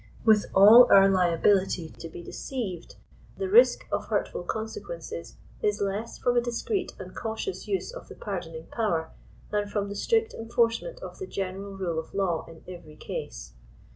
With^ all our liability to be deceived, the risk of hurtful consequences is less fromadis creet and cautious use of the pardoning power, than from the strict enforcement of the general rule of law in every case.